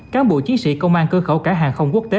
cán bộ chiến sĩ công an cơ khẩu cả hàng không quốc tế